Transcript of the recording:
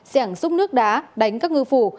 dẻng xúc nước đá đánh các ngư phủ